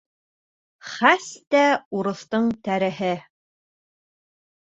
Хәс тә урыҫтың тәреһе!